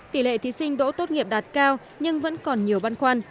tỷ lệ thí sinh đỗ tốt nghiệp đạt cao nhưng vẫn còn nhiều băn khoăn